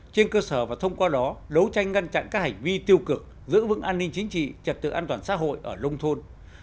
trên cơ sở và thông qua đó đấu tranh ngăn chặn các hành vi tiêu cực giữ vững an ninh chính trị trật tự an toàn xã hội ở nông thôn